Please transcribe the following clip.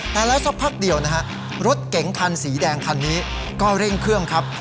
แต่แล้วสักพักเดียวนะฮะรถเก๋งคันสีแดงคันนี้ก็เร่งเครื่องครับ